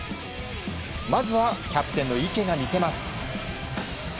まずはキャプテンの池が見せます。